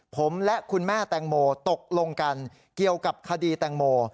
ผมและคุณแม่แตงโมตกลงกันเกี่ยวกับคดีแตงโม